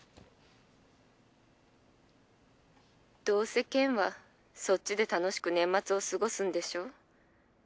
どうせ健はそっちで楽しく年末を過ごすんでしょう？